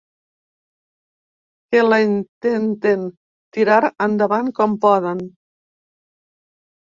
Que la intenten tirar endavant com poden.